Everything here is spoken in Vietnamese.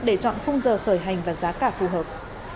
để chọn khung giờ khởi hành và giá cả phù hợp